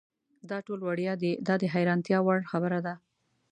دا ټول وړیا دي دا د حیرانتیا وړ خبره ده.